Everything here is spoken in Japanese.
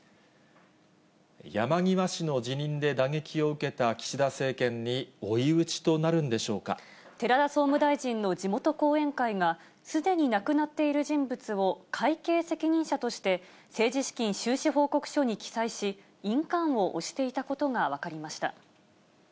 山際氏の辞任で打撃を受けた岸田政権に追い打ちとなるんでしょう寺田総務大臣の地元後援会が、すでに亡くなっている人物を会計責任者として政治資金収支報告書に記載し、印鑑を押していたことが分かりました。